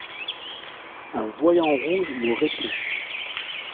Un voyant rouge me répond.